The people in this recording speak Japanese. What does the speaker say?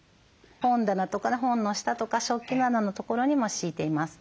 本棚とか本の下とか食器棚のところにも敷いています。